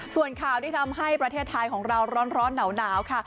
ส่วนข่าวที่ทำให้ประเทศไทยของเราร้อนหนาวค่ะ